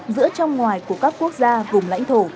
giữa trong ngoài của các quốc gia vùng lãnh thổ